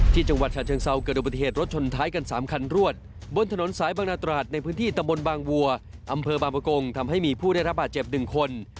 จังหวัดฉะเชิงเซาเกิดอุบัติเหตุรถชนท้ายกัน๓คันรวดบนถนนสายบางนาตราดในพื้นที่ตำบลบางวัวอำเภอบางประกงทำให้มีผู้ได้รับบาดเจ็บ๑คน